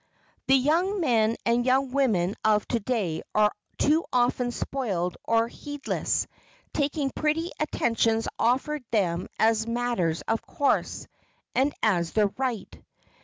The young men and young women of to day are too often spoiled or heedless, taking pretty attentions offered them as matters of course, and as their right.